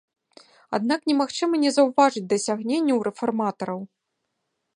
Аднак немагчыма не заўважыць дасягненняў рэфарматараў.